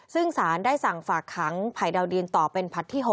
ซึ่งสารได้สั่งฝากขังไผ่ดาวดินต่อเป็นผลัดที่๖